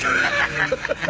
ハハハハ。